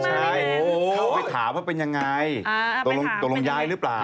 เขาก็ไปถามว่าเป็นอย่างไรตรงลงย้ายหรือเปล่า